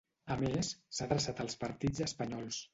A més, s’ha adreçat als partits espanyols.